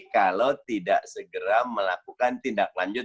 kalau tidak segera melakukan tindak lanjut